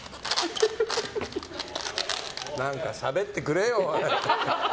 何かしゃべってくれよ。